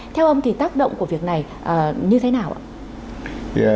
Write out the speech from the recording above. theo ông thì tác động của việc này như thế nào ạ